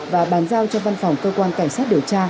và bàn giao cho văn phòng cơ quan cảnh sát điều tra